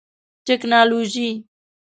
ټکنالوژي